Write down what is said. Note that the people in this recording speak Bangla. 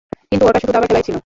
কিন্তু ওটা শুধু দাবা খেলাই ছিল।